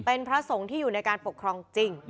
เป็นพระสงฆ์ที่อยู่ในการปกครองจริง